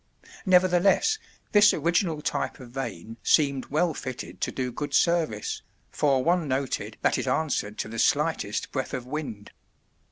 Nevertheless, this original type of vane seemed well fitted to do good service, for one noted that it answered to the slightest breath of wind.